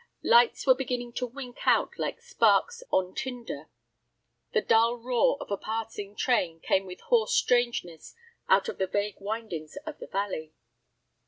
Lights were beginning to wink out like sparks on tinder. The dull roar of a passing train came with hoarse strangeness out of the vague windings of the valley.